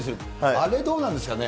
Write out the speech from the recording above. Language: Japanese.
あれ、どうなんですかね。